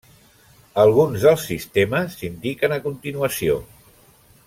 Alguns dels sistemes s'indiquen a continuació.